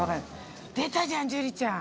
出たじゃん樹里ちゃん。